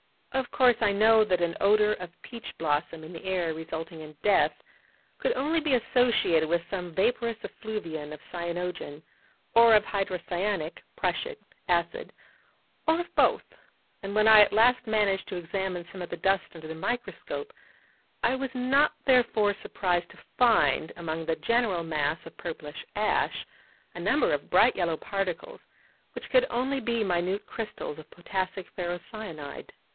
Of course, I know that an odour of peach blossom in the air, resulting in death, could only be associated with some vaporous effluvium of cyanogen, or of hydrocyanic ('prussic') acid, or of both; and when I at last managed to examine some of the dust under the microscope, I was not therefore surprised to find, among the general mass of purplish ash, a number of bright yellow particles, which could only be minute crystals of potassic ferrocyanide.